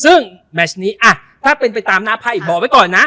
ซึ่งแมชนี้ถ้าเป็นไปตามหน้าไพ่บอกไว้ก่อนนะ